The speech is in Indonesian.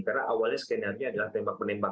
karena awalnya skenarnya adalah tembak penembak